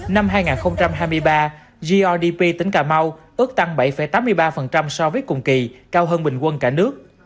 năm hai nghìn hai mươi ba grdp tỉnh cà mau ước tăng bảy tám mươi ba so với cùng kỳ cao hơn bình quân cả nước